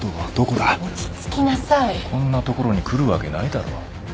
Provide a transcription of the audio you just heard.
こんなところに来るわけないだろ。